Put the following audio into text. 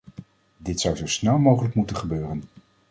Dit zou zo snel mogelijk moeten gebeuren.